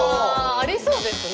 ありそうですね。